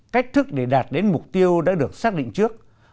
cách thức để đạt đến mục tiêu đã được xác định trước